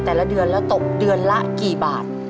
แต่ละเดือนแล้วตกเดือนละกี่บาท